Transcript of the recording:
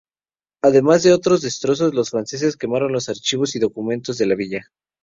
Además de otros destrozos, los franceses quemaron los archivos y documentos de la villa.